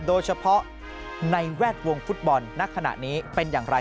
โดยเฉพาะในแวดวงฟุตบอลณขณะนี้เป็นอย่างไร